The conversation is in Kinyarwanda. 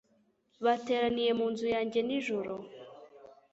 Bateraniye mu nzu yanjye nijoro